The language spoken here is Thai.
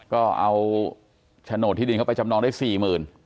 ก็เอาชะโนตที่ดินเข้าไปจำนองได้๔หมื่น